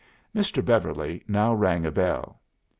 Mr. Beverly now rang a bell.